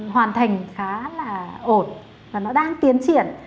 hoàn thành khá là ổn và nó đang tiến triển